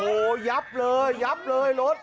โอ้โหยับเลยยับเลยรถ